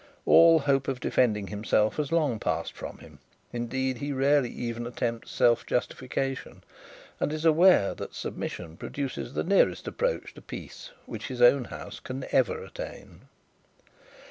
All hope of defending himself has long passed from him; indeed he rarely even attempts self justification; and is aware that submission produces the nearest approach to peace which his own house can ever attain.